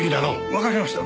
わかりました。